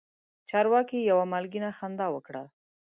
چارواکي یوه مالګینه خندا وکړه.